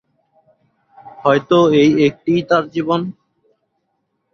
হয়তো এই একটিই তার জীবন।